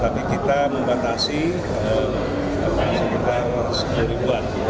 tapi kita membatasi sekitar sepuluh ribuan